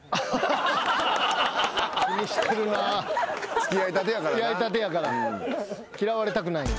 付き合いたてやからな。嫌われたくない。